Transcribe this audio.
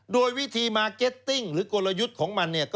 โดยวิธีมาร์เก็ตติ้งหรือกลยุทธ์ของมัน